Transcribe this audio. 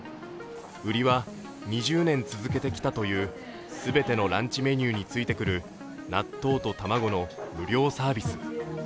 売りは２０年続けてきたという全てのランチメニューについてくる納豆と卵の無料サービス。